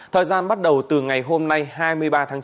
thời gian bắt đầu từ ngày hôm nay hai mươi ba tháng chín